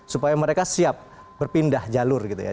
supaya mereka siap berpindah jalur gitu ya